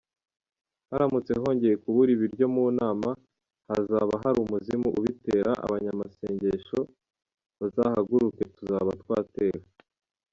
Haramutse hongeye kubura ibiryo mu nama, hazaba hari umuzimu ubitera abanyamasengesho bazahaguruke tuzaba twatewe.